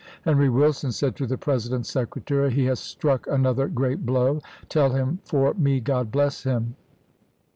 Henry Wilson said to the President's secretary: " He has struck another great blow. Tell him for me, God bless him."